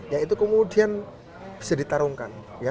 ya itu kemudian bisa ditarungkan